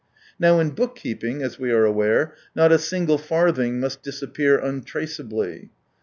Now in book keeping, as we are aware, not a single farthing must disappear untraceably.